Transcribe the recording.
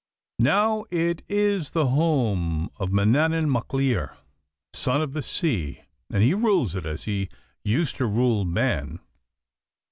Now it is the home of Manannan Mac y Leirr, Son of the Sea, and he rules it as he used to rule Mann.